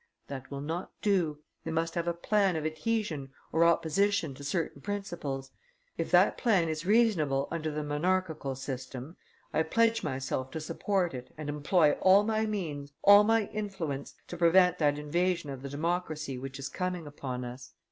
That will not do, they must have a plan of adhesion or opposition to certain principles. If that plan is reasonable under the monarchical system, I pledge myself to support it and employ all my means, all my influence, to prevent that invasion of the democracy which is coming upon us."